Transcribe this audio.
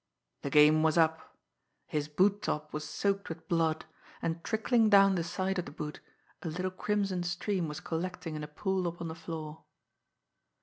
The game was up! His boot top was soaked with blood, and, trickling down the side of the boot, a little crimson stream was collecting in a pool upon the floor.